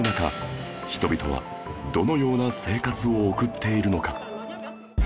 人々はどのような生活を送っているのか？